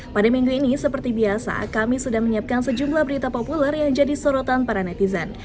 pada minggu ini seperti biasa kami sudah menyiapkan sejumlah berita populer yang jadi sorotan para netizen